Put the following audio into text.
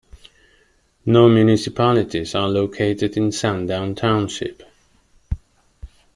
No municipalities are located in Sundown Township.